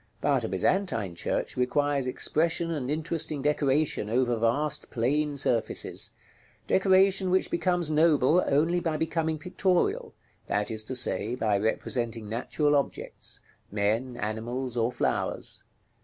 But a Byzantine church requires expression and interesting decoration over vast plane surfaces, decoration which becomes noble only by becoming pictorial; that is to say, by representing natural objects, men, animals, or flowers.